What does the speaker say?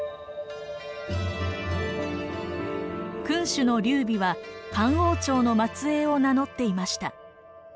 君主の劉備は漢王朝の末裔を名乗っていました。